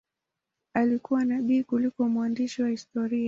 Alikuwa nabii kuliko mwandishi wa historia.